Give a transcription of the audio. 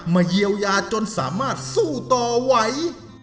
เยียวยาจนสามารถสู้ต่อไหว